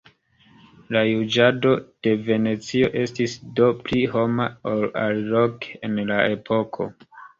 La juĝado de Venecio estis do pli homa ol aliloke en la epoko.